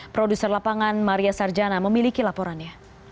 produser lapangan maria sarjana memiliki laporannya